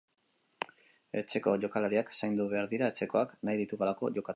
Etxeko jokalariak zaindu behar dira etxekoak nahi ditugulako jokatzen.